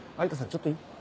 ちょっといい？